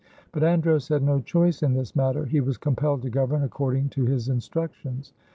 But Andros had no choice in this matter: he was compelled to govern according to his instructions.